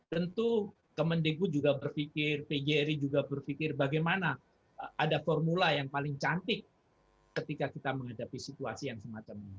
tentu kemendeku juga berpikir pjri juga berpikir bagaimana ada formula yang paling cantik ketika kita menghadapi situasi yang semacam ini